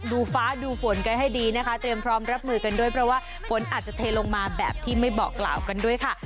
ดูฟ้าดูฝนกันให้ดีนะคะเตรียมพร้อมรับมือกันด้วยเพราะว่าฝนอาจจะเทลงมาแบบที่ไม่บอกกล่าวกันด้วยค่ะ